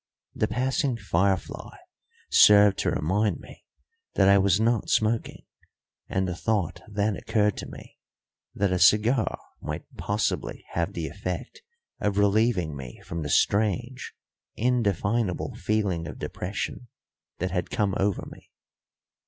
The passing firefly served to remind me that I was not smoking, and the thought then occurred to me that a cigar might possibly have the effect of relieving me from the strange, indefinable feeling of depression that had come over me.